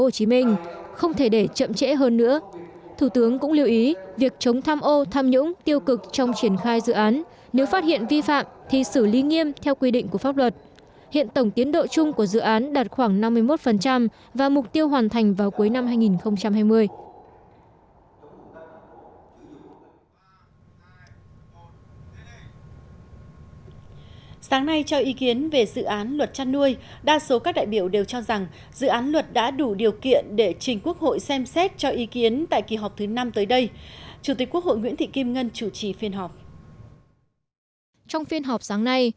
trong phiên họp sáng nay các đại biểu đều cho rằng dự án luật đã đủ điều kiện để trình quốc hội xem xét cho ý kiến tại kỳ họp thứ năm tới đây